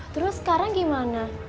terus sekarang gimana